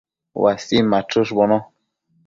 uasin machëshbono